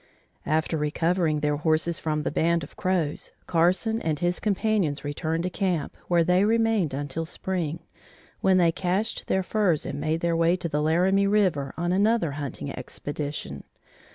After recovering their horses from the band of Crows, Carson and his companions returned to camp, where they remained until spring, when they cached their furs and made their way to the Laramie River on another hunting expedition.